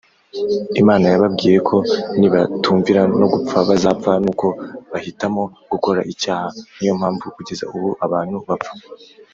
Imana yababwiye ko nibatumvira nogupfa bazapfa nuko bahtamo gukora icyaha niyompavu kugeza ubu abantu bapfa.